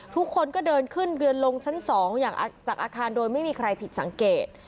ทุกคนก็เดินขึ้นเรือนลงชั้น๒อย่างจากอาคารโดยไม่มีใครผิดสังเกต